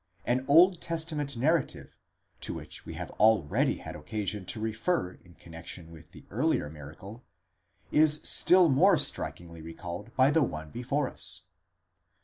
An Old Testament narrative, to which we have already had occasion to refer in con nexion with the earlier miracle, is still more strikingly recalled by the one before us.